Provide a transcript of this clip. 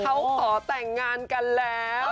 เขาขอแต่งงานกันแล้ว